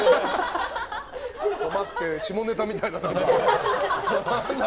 困って下ネタみたいだな。